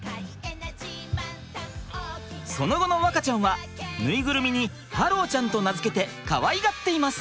その後の和花ちゃんはぬいぐるみにハローちゃんと名付けてかわいがっています。